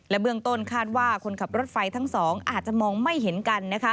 เบื้องต้นคาดว่าคนขับรถไฟทั้งสองอาจจะมองไม่เห็นกัน